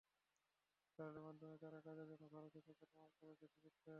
দালালের মাধ্যমে তাঁরা কাজের জন্য ভারতে যেতেন এবং পরে দেশে ফিরতেন।